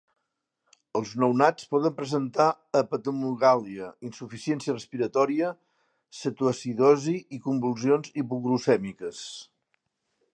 Els nounats poden presentar hepatomegàlia, insuficiència respiratòria, cetoacidosi i convulsions hipoglucèmiques.